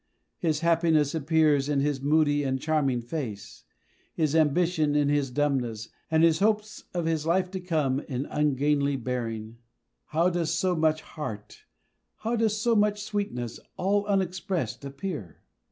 His happiness appears in his moody and charming face, his ambition in his dumbness, and the hopes of his life to come in ungainly bearing. How does so much heart, how does so much sweetness, all unexpressed, appear?